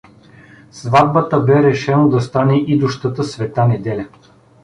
Сватбата бе решено да стане идущата света неделя.